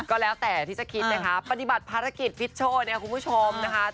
ก็แล้วแต่ที่จะคิดนะคะปฏิบัติภารกิจฟิตโชว์เนี่ยคุณผู้ชมนะคะ